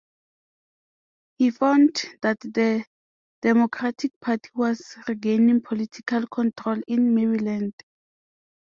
He found that the Democratic Party was regaining political control in Maryland.